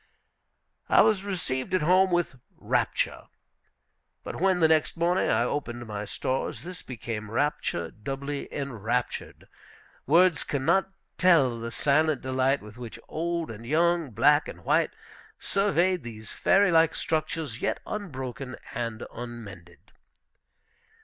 I was received at home with rapture. But when, the next morning, I opened my stores, this became rapture doubly enraptured. Words can not tell the silent delight with which old and young, black and white, surveyed these fairy like structures, yet unbroken and unmended.